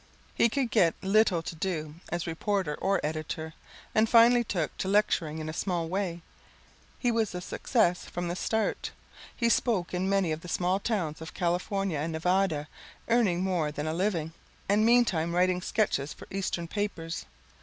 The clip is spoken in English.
He could get little to do as reporter or editor, and finally took to lecturing in a small way. He was a success from the start. He spoke in many of the small towns of California and Nevada, earning more than a living, and meantime writing sketches for Eastern papers.